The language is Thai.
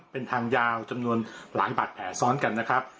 เป็นทางยาวจำนวนหลายบาดแผลซ้อนกันนะครับ